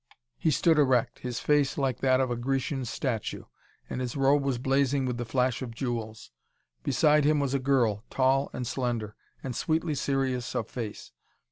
He stood erect, his face like that of a Grecian statue, and his robe was blazing with the flash of jewels. Beside him was a girl, tall and slender, and sweetly serious of face.